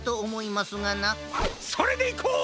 それでいこう！